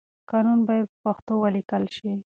قانون بايد په پښتو وليکل شي.